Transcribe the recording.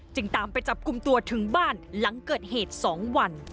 ตามไปจับกลุ่มตัวถึงบ้านหลังเกิดเหตุ๒วัน